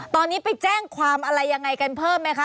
ตอนนี้ไปแจ้งความอะไรยังไงกันเพิ่มไหมคะ